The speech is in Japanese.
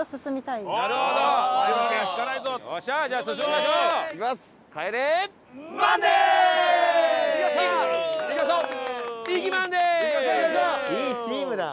いいチームだ。